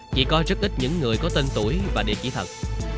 chỉ có rất ít những người có tên tuổi và địa chỉ thật